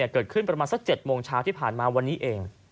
เกิดขึ้นประมาณสัก๗โมงเช้าที่ผ่านมาวันนี้เอง